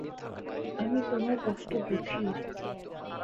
আমি তোমার কষ্ট বুঝি।